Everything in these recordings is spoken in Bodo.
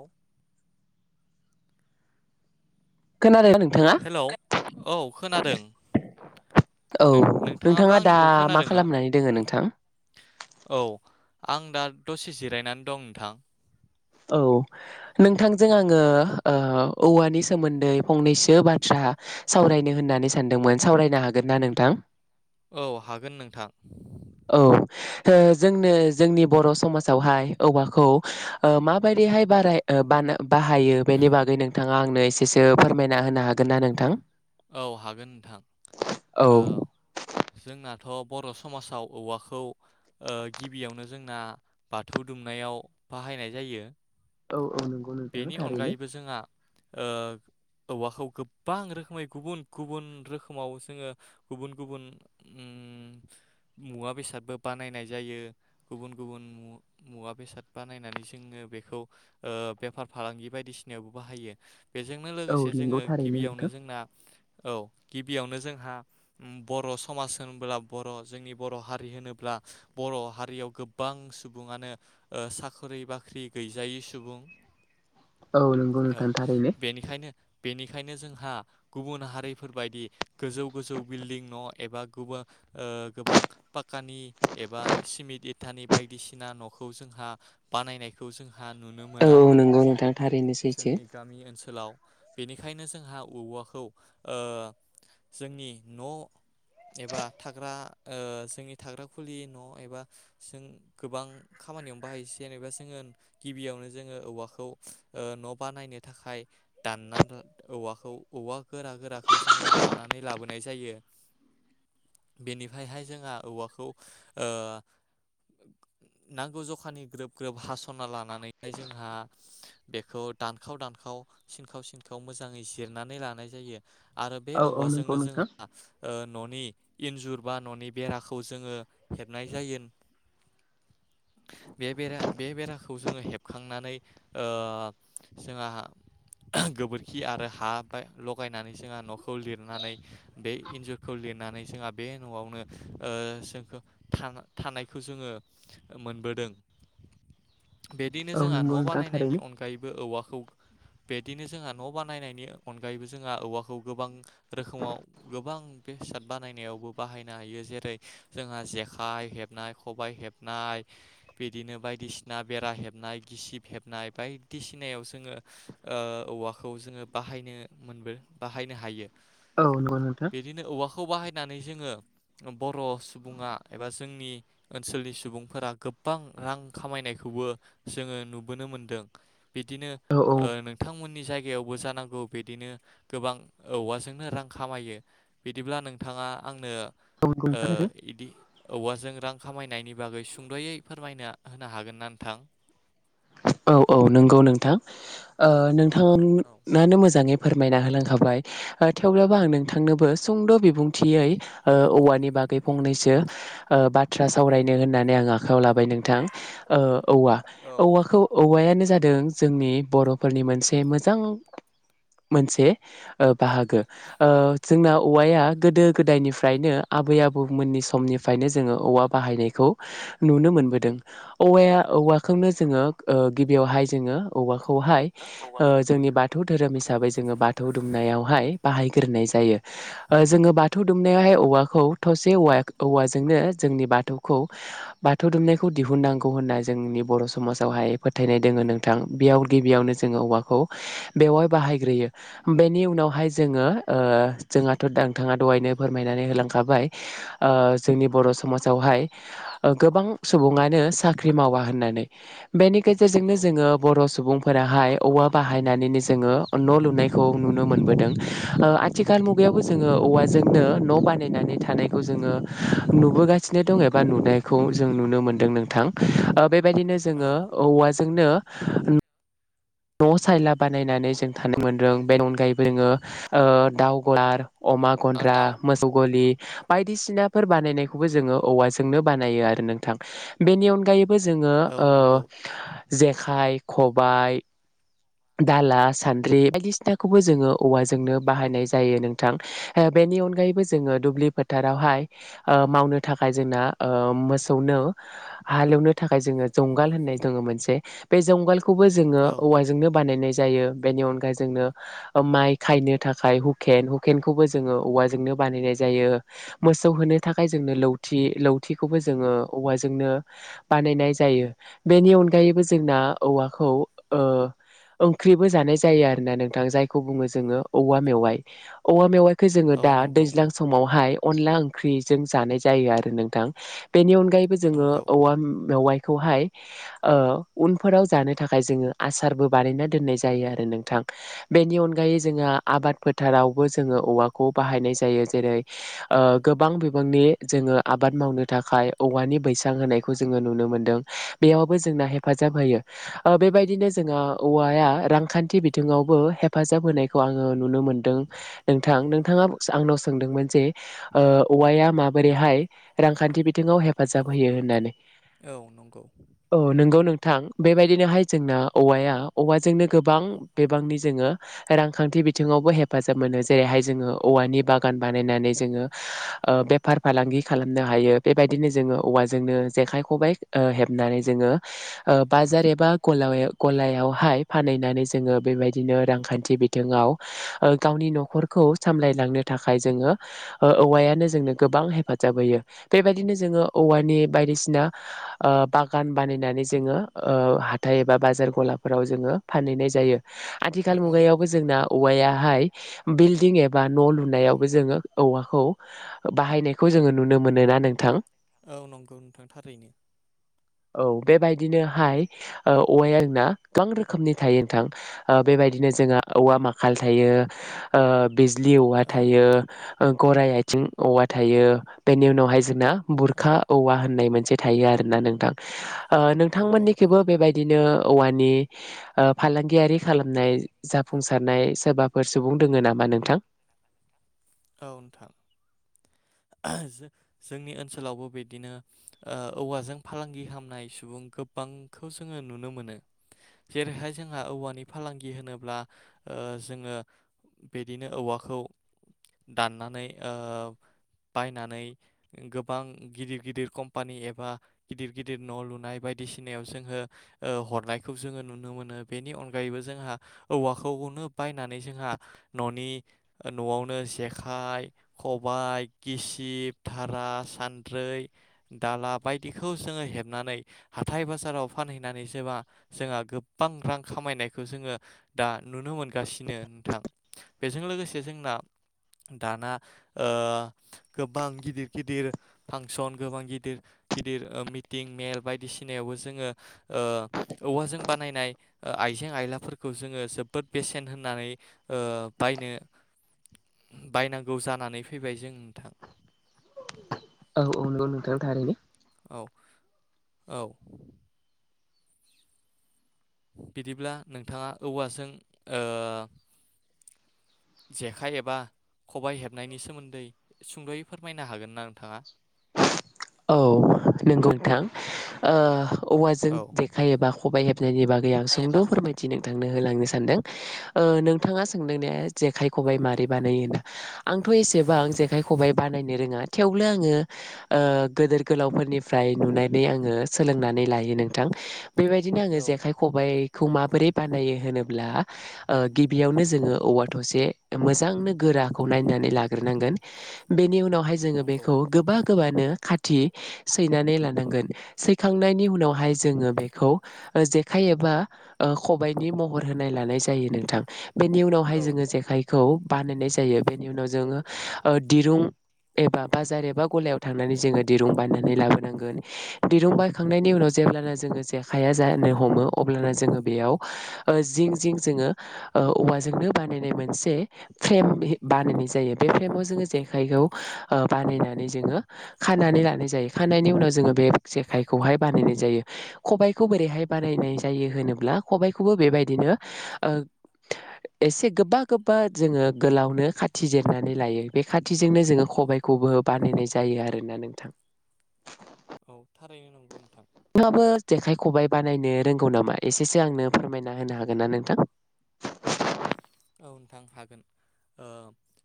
औ। खोनादोंना नोंथाङा हेलौ औ खोनादों औ नों नोंथाङाबो नोंथाङा दा आंनिखौ मा खोनादों ना खालामनानै दोङो नोंथां औ। आं दा दसे जिरायनानै दं नोंथां। औ नोंथांजों आङो ओ औवानि सोमोन्दै फंनैसो बाथ्रा सावरायनो होननानै सानदोंमोन सावरायनो हागोनना नोंथां? औ हागोन नोंथां। औ ओ जोंनो जोंनि बर' समाजावहाय औवाखौ ओ माबायदिहाय बाराय ओ बाना बाहायो बेनि बागै नोंथाङा आंनो एसेसो फोरमायना होनो हागोन ना नोंथां? औ हागोन नोंथां औ औ जोंना। थ' बर' समाजाव औवाखौ ओ गिबियावनो जोंना बाथौ दुमनायाव बाहायनाय जायो। औ औ नंगौ नोंथाङा बेनि थारैनो अनगायैबो जोंहा ओ औवाखौ गोबां रोखोमै गुबुन गुबुन रोखोमाव जोङो गुबुन गुबुन ओम मुवा बेसादबो बानायनाय जायो गुबुन गुबुन मुवा बेसाद बानायनानै जोङो बेखौ ओ बेफार फालांगि बायदिसिनायावबो बाहायो बेजोंनो औ लोगोसे नंगौ जोङो थारैनो गिबियावनो नोंथां जोंना, औ गिबियावनो जोंहा बर' समाज होनोब्ला बर' जोंनि बर' हारि होनोब्ला बर' हारियाव गोबां सुबुङानो ओ साख्रि बाख्रि गैजायै सुबुं, औ नंगौ नोंथां औ थारैनो बेनिखायनो बेनिखायनो जोंहा, गुबुन हारिफोरबायदि गोजौ गोजौ बिल्डिं न' एबा गुबां ओ गोबां पाकानि एबा सिमिन्ट इटानि बायदिसिना न'खौ जोंहा बानायनायखौ जों आंहा नुनो औ मोना औ नंगौ नोंथां थारैनो सैथो जोंनि गामि ओनसोलाव, बेनिखायनो जोंहा औवा खौ ओ जोंनि न' एबा थाग्रा ओ जोंनि थाग्रा खुलि न' एबा जों गोबां खामानियावनो बाहायसै जेनेबा जोङो गिबियावनो जोङो औवाखौ ओ न' बानायनो थाखाय दानना औवाखौ औवा गोरा गोराखौ जोङो दाननानै लाबोनाय जायो बेनिफ्रायहाय जोंहा औवाखौ ओ नांगौ जखानि ग्रोब ग्रोब हास'ना लानानैहाय जोंहा बेखौ दानखाव दानखाव सिनखाव सिनखाव मोजाङै जिर नानै लानाय जायो। आरो बे औ औ नंगौ औवाजोंनो नोंथां जोंहा ओ न'नि इन्जुर बा न'नि बेराखौ जोङो हेबनाय जायो [inaudible] बे बेरा बे बेराखौ जोङो हेबखांनानै ओ जोंहा गोबोरखि आरो हा लगायनानै जोंहा न'खौ लिरनानै बे इन्जुरखौ लिरनानै जोंहा बे न'आवनो ओ जोंखौ था थानायखौ जोङो मोनबोदों। बिदिनो औ जोंहा नंगौ न' नोंथां बानायनायनि थारैनो अनगायैबो औवाखौ बेदिनो जोंहा न' बानायनायनि अनगायैबो जोंहा औवाखौ गोबां रोखोमाव गोबां बेसाद बानायनायावबो बाहायनो हायो जेरै जोंहा जेखाइ हेबनाय खबाइ हेबनाय बिदिनो बायदिसिना बेरा हेबनाय गिसिब हेबनाय बायदिसिनायाव जोङो ओ औवाखौ जोङो बाहाय नो मोनबो बाहायनो हायो औ नंगौ नोंथां खौ बाहायनानै जोङो बर' सुबुङा एबा जोंनि ओनसोलनि सुबुंफोरा गोबां रां खामायनायखौबो जोङो नुबोनो मोनदों। बिदिनो औ ओ बिथांमोननि जायगायावबो जानांगौ बिदिनो गोबां औवाजोंनो रां खामायो बिदिब्ला नोंथाङा आंनो औ नंगौ ओ नोंथां आरो इदि औवाजों रां खामायनायनि बागै सुंद'यै फोरमायना होनो हागोन ना नोंथां? औ औ नंगौ नोंथां ओ नों [unintelligible] औ नानो मोजाङै फोरमायना होलांखाबाय थेवब्लाबो आं नोंथांनोबो सुंद' बिबुंथियै ओ औवानि बागै फंनैसो ओ बाथ्रा सावरायनो होननानै आं आखायाव लाबाय नोंथां ओ औवा औ औवाखौ औवायानो जादों जोंनि बर'फोरनि मोनसे मोजां मोनसे ओ बाहागो ओ जोंना औवाया गोदो गोदायनिफ्रायनो आबै आबौमोननि समनिफ्रायनो जोङो औवा बाहायनायखौ नुनो मोनबोदों औवाया औवाखौनो जोङो ओ गिबियावहाय जोङो औवाखौ खौहाय जोंनि बाथौ धोरोम हिसाबै जोङो बाथौ दुमनायावहाय बाहायगोरनाय जायो जोङो बाथौ दुमनायावहाय औवाखौ थसे औवा औवाजोंनो जोंनि बाथौखौ बाथौ दुमनायखौ दिहुननांगौ होनना जोंनि बर' समाज आवहाय फोथायनाय दोङो नोंथां बेयाव गिबियावनो जोङो औवाखौ बेवहाय बाहायग्रोयो बेनि उनावहाय जोङो जोंहाथ' नोंथाङा दहायनो फोरमायनानै होलांखाबाय जोंनि बर' समाजावहाय गोबां सुबुङानो साख्रि मावा होननानै बेनि गेजेरजोंनो जोङो बर' सुबुं फोराहाय औवा बाहायनानैनो जोङो न' लुनायखौ नुनो मोनबोदों आथिखाल मुगायावबो जोङो औवाजोंनो न' बानायनानै थानायखौ जोङो नुबोगासिनो दं एबा नुनायखौ जों नुनो मोनदों नोंथां बे बेबायदिनो जोङो औ जोंनो न' सायला बानायनानै जों थानो मोनदों बेनि अनगायैबो जोङो दाउ गलार अमा औ गन्द्रा दाउ मोसौ गलि बायदिसिनाफोर बानायनायखौबो जोङो औवाजोंनो बानायो आरो नोंथां बेनि अनगायै बो जोङो औ ओ नंगौ जेखाइ खबाय दाला सान्द्रि बायदिसिनाखौबो जोङो औवाजोंनो बाहायनाय जायो नोंथां बेनि अनगायैबो जोङो दुब्लि फोथारावहाय मावनो थाखाय जोंना मोसौनो हालेवनो थाखाय जोङो जुंगाल होननाय दङ मोनसे बे जुंगालखौ खौबो जोङो औ औवाजोंनो बानायनाय जायो बेनि अनगायै जोंनो माइ खायनो थाखाय हुखेन हुखेनखौबो जोङो औवाजोंनो बानायनाय जायो मोसौ होनो थाखाय जोंनो लौथि लौथिखौबो जोङो औवाजोंनो बानायनाय जायो बेनि अनगायैबो जोंना औवाखौ ओंख्रिबो जानाय जायो आरोना नोंथां जायखौ बुङो जोङो औवा मेवाइ औवा मेवाइ खौ जोङो औ दा नंगौ दैज्लां समावहाय अनला ओंख्रिजों जानाय जायो आरो नोंथां बेनि अनग बेगायबो जोङो नंगौ औवा मेवाइ खौहाय उनफोराव जानो थाखाय जोङो आसारबो बानायना दोननाय जायो आरो नोंथां बेनि अनगायै जोङो आबाद फोथारावबो जोङो औवाखौ बाहायनाय जायो जेरै गोबां बिबांनि जोङो आबाद मावनो थाखाय औवानि बैसां होनायखौ जोङो नुनो मोन्दों बेयावबो जोंना हेफाजाब होयो बेबायदिनो जोङो औवाया रांखान्थि बिथिङावबो हेफाजाब होनायखौ आङो नुनो मोनदों नोंथां नोंथाङा आंनाव सोंदोंमोन जे औवाया माबोरैहाय रांखान्थि बिथिङाव हेफाजाब होयो होननानै औ नंगौ थां बेबायदिनोहाय जोंना औवाया औवाजोंनो गोबां बिबांनि जोङो रांखान्थि बिथिङावबो हेफाजाब मोनो। जेरैहाय जोङो औवानि बागान बानायनानै जोङो ओ बेफार फालांगि खालामनो हायो बेबायदिनो जोङो औवाजोंनो जेखाइ, खबाइ ओ हेबनानै जोङो ओ बाजार एबा गलायाव गलायाव हाय फानहैनानै जोङो बेबायदिनो रांखान्थि बिथिङाव ओ गावनि न'खरखौ सामलायलांनो थाखाय जोङो ओ औवायानो जोंनो गोबां हेफाजाब होयो। बेबायदिनो जोङो औवानि बायदिसिना ओ बागान बानायनानै जोङो ओ हाथाय एबा बाजार गलाब फोराव जोङो फानहैनाय जायो। आथिखाल औ मुगायावबो जोंना औवायाहाय बिल्डिं एबा न' लुनायावबो जोङो औवाखौ बाहायनायखौ जोङो नुनो मोनो ना नोंथां? औ नंगौ नोंथां थारैनो। औ बेबायदिनोहाय औवाया आरोना गोबां रोखोमनि थायो नोंथां ओ बेबायदिनो जोंहा औवा माखाल थायो ओ बि ज्लि औवा औ थायो। गराइ आथिं औवा थायो बेनि उनावहाय जोंना औ बुरखा औवा होननाय मोनसे थायो आरोना नोंथां नंगौ नोंथां नोंथांमोननिखिबो बेबायदिनो औवानि फालांगियारि खालामनाय जाफुंसारनाय सोरबाफोर सुबुं दङ नामा नोंथां औ नोंथां जोंनि ओनसोलावबो बिदिनो औवाजों फालांगि खालामनाय सुबुं गोबांखौ जोङो नुनो मोनो जेरैहाय जोंहा औवानि फालांगि होनोब्ला जोङो बिदिनो औवाखौ दाननानै बायनानै गोबां गिदिर गिदिर कम्पानि एबा गिदिर गिदिर न' लुनाय बायदिसिनायाव जोङो हरनायखौ जोङो नुनो मोनो बेनि अनगायैबो जोंहा औवाखौनो बायनानै जोंहा न'नि न'आवनो जेखाइ खबाइ गिसिब धारा सान्द्रै दाला बायदिखौ जोङो हेबनानै हाथाय बाजाराव फानहैनानै जोंहा गोबां रां खामायनायखौ जोङो दा नुनो मोनगासिनो नोंथां बेजों लोगोसे जोंना दाना गोबां गिदिर गिदिर फांसन गोबां गिदिर गिदिर मिटिं मेल बायदिसिनायावबो जोङो औवाजों बानायनाय आइजें आयलाफोरखौ जोङो जोबोद बेसेन होननानै बायनो बायनांगौ जानानै फैबाय जों नोंथां औ औ नोंथां थारैनो औ औ बिदिब्ला नोंथाङा औवाजों जेखाइ एबा खबाइ हेबनायनि सोमोन्दै सुंद'यै फोरमायनो हागोन ना नोंथाङा नोंगौ नोंथां औवाजों औ जेखाय एबा खबाइ हेबनाय जायनि बागै आं सुंद' फोरमायथि नोंथां। नो होलांनो सानदों ओ नोंथांङा सोंदों ने जेखाइ खबाइ माबारै बानायो होन आंथ' एसेबां जेखाइ खबाइ बानायनो रोङा थेवब्लो आङो ओ गोदोर गोलावफोर निफ्राय नुनानै आङो सोलोंनानै लायो नोंथां। बेबायदिनो आङो औ जेखाइ खबाइ खौ माबोरै बानायो होनोब्ला ओ गिबियावनो जोङो औवा थसे मोजांनो गोराखौ नायनानै लाग्रोनांगोन बेनि उन उनावहाय जोङो नंगौ बेखौ गोबां गोबानो खाथि सैनानै लानांगोन सैखांनायनि उनावहाय जोङो बेखौ जेखाइ एबा ओ खबाइनि महर होनाय लानाय जायो नोंथां। बेनि उनावहाय औ जोङो जेखाइखौ बानायनाय जायो बेनि उनाव जोङो ओ दिरुं एबा बाजार एबा ग'लायाव थांनानै जोङो दिरुं बाय नानै लाबोनांगोन दिरुं बायखांनायनि उनाव जेब्लाना जोङो जेखाइया जानो हमो अब्लाना जोङो बेयाव ओ जिं जिं जोङो ओ औवाजोंनो बानायनाय मोनसे फ्रेमहि बानायनाय जायो बे फ्रेमाव जोङो जेखाइखौ ओ बानायनानै जोङो खानानै लानाय जायो। खानायनि उनाव जोङो बे जेखाइखौहाय बानायनाय जायो खबायखौ बोरैहाय बानायनाय जायो होनोब्ला खबाइखौबो बेबायदिनो ओ एसे गोबा गोबा जोङो गोलावनो खाथि जिरनानै लायो बे खाथिजोंनो जोङो खबाइखौबो बानायनाय जायो आरोना नोंथां। औ थारैनो नंगौ नोंथां। नोंहाबो जेखाइ खबाइ बानायनो रोंगौ नामा एसेसो आंनो फोरमायना होनो हागोन ना नोंथां? औ नोंथां हागोन ओ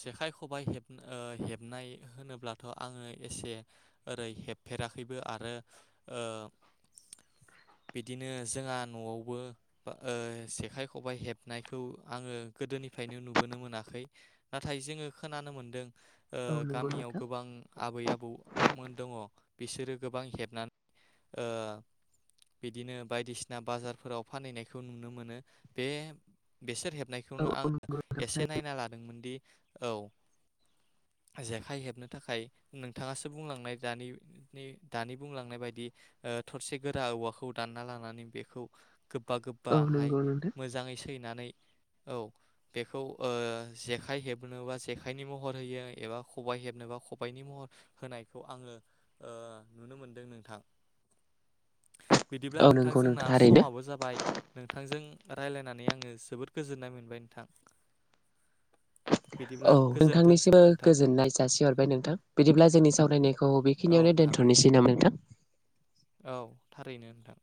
जेखाइ खबाइ हेब हेबनाय होनोब्लाथ' आङो एसे ओरै हेबफेराखैबो आरो ओ बिदिनो जोंहा न'आवबो ओ जेखाइ खबाइ हेबनायखौ आङो गोदोनिफ्रायनो नुबोनो मोनाखै नाथाय जोङो खोनानो मोनदों। ओ औ नंगौ गामियाव नोंथां गोबां आबै आबौ मोन दङ'। बिसोरो गोबां हेबनानै ओ बिदिनो बायदिसिना बाजारफोराव फानहैनायखौ नुनो मोनो बे बिसोर हेब औ बेखौनो आङो औ एसे नायना लादोंमोन दि औ। जेखाइ हेबनो थाखाय नोंथाङासो बुंलांनाय दानि नि दानि बुंलांनाय बायदि ओ थरसे गोरा औवाखौ दानना लानानै बेखौ गोब्बा औ गोब्बाहाय नंगौ नोंथां मोजाङै सैनानै औ बेखौ ओ जेखाइ हेबनोबा जेखाइनि महर होयो एबा खबाइ हेबनोबा खबाइनि महर होनायखौ आङो ओ नुनो मोनदों नोंथां। बिदिब्ला औ नोंथां नंगौ नों जोंना थारैनो समाबो जाबाय नोंथांजों रायलायनानै आङो जोबोद गोजोननाय मोनबाय नोंथां। औ बिदिब्ला गोजोन्थोंसै नोंथांनिसिमबो नोंथां गोजोननाय जासि हरबाय नोंथां बिदिब्ला जोंनि सावरायनायखौ औ बेखिनियावनो नोंथां दोन्थ'नोसै नामा नोंथां? औ थारैनो नोंथां।